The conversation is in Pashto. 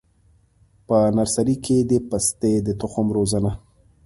په نرسري کي د پستې د تخم روزنه: